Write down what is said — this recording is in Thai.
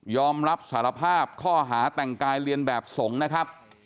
อมรับสารภาพข้อหาแต่งกายเรียนแบบสงฆ์นะครับ